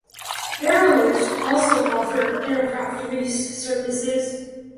Aerolift also offered aircraft lease services.